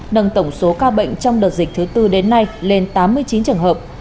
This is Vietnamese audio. nâng tổng số ca bệnh trong đợt dịch thứ tư đến nay lên tám mươi chín trường hợp